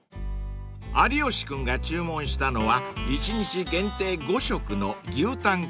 ［有吉君が注文したのは１日限定５食の］